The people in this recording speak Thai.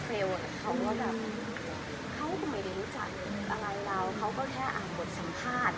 เขาก็ไม่ได้รู้จักอะไรหรอกเขาก็แค่อ่านบทสัมภาษณ์